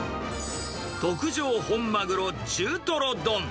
特上本まぐろ中トロ丼。